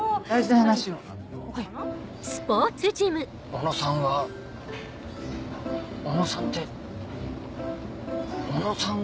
小野さんは小野さんって小野さん。